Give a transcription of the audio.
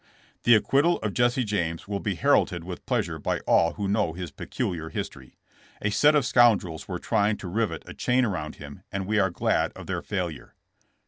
"The acquittal of Jesse James will be heralded with pleasure by all who know his peculiar history. A set of scoundrels were trying to rivet a chain around him and we are glad of their failure."